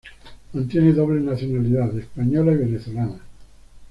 Mantiene doble nacionalidad, española y venezolana.